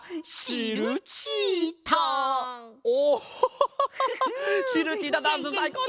シルチータダンスさいこうだったぞ！